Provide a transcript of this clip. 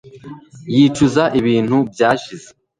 Yicuza ibintu byashize